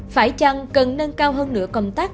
phải chăng cần nâng cao hơn nửa công tác